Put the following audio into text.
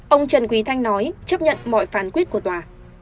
ông trần quý thanh nói chấp nhận mọi phán quyết của tòa